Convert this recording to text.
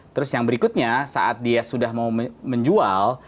terus yang berikutnya saat dia sudah mau menjual